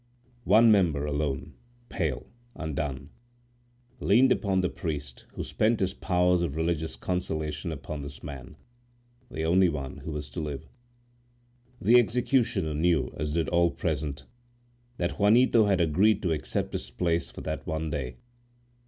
One member alone, pale, undone, leaned upon the priest, who spent his powers of religious consolation upon this man,—the only one who was to live. The executioner knew, as did all present, that Juanito had agreed to accept his place for that one day.